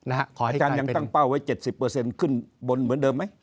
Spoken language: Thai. อาจารย์ยังตั้งเป้าไว้๗๐ขึ้นบนเหมือนเดิมไหม